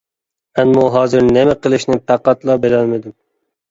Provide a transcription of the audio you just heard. مەنمۇ ھازىر نېمە قىلىشنى پەقەتلا بىلەلمىدىم.